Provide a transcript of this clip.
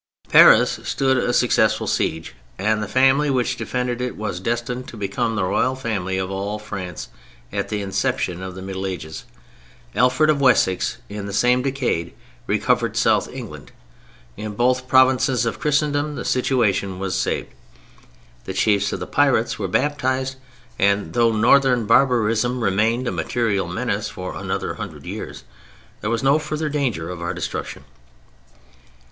Paris stood a successful siege, and the family which defended it was destined to become the royal family of all France at the inception of the Middle Ages. Alfred of Wessex in the same decade recovered South England. In both provinces of Christendom the situation was saved. The chiefs of the pirates were baptized; and though Northern barbarism remained a material menace for another hundred years, there was no further danger of our destruction.